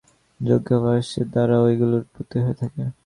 যোগাভ্যাসের দ্বারা ঐগুলির উৎপত্তি হয়ে থাকে।